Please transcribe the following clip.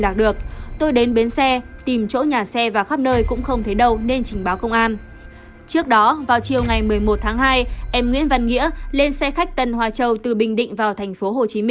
trước đó vào chiều ngày một mươi một tháng hai em nguyễn văn nghĩa lên xe khách tân hoa châu từ bình định vào tp hcm